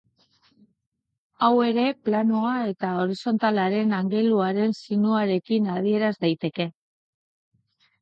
Hau ere planoa eta horizontalaren angeluaren sinuarekin adieraz daiteke.